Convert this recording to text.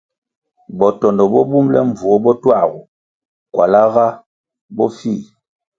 Botondo bo bumʼle mbvuo bo tuagu, kwalá nga bofih.